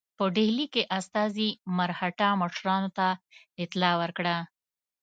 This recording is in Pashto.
په ډهلي کې استازي مرهټه مشرانو ته اطلاع ورکړه.